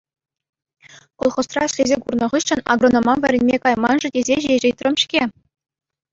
Колхозра ӗҫлесе курнӑ хыҫҫӑн агронома вӗренме кайман-ши тесе ҫеҫ ыйтрӑм-ҫке..